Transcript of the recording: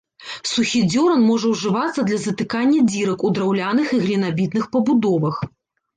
Сухі дзёран можа ўжывацца для затыкання дзірак у драўляных і глінабітных пабудовах.